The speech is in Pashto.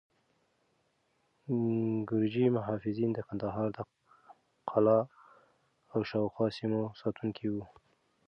ګرجي محافظین د کندهار د قلعه او شاوخوا سیمو ساتونکي وو.